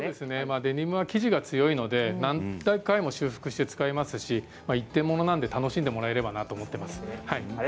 デニムは生地が強いので何回も修復して使えますし一点物なので楽しんでもらえたらなと思います。